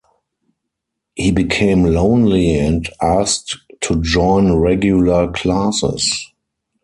He became lonely and asked to join regular classes.